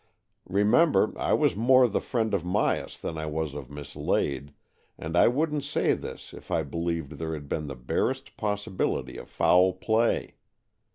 Remember, I was more the friend of Myas than I was of Miss Lade, and I wouldn't say this if I believed there had been the barest possibility of foul play.